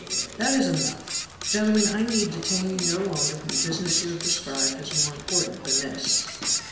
"That is enough! Gentlemen, I need detain you no longer from the business you have described as more important than this!"